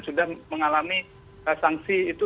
sudah mengalami sanksi itu